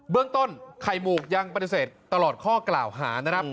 เรื่องต้นไข่หมูกยังปฏิเสธตลอดข้อกล่าวหานะครับ